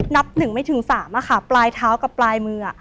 นับถึงไม่ถึงสามอ่ะค่ะปลายเท้ากับปลายมืออ่ะ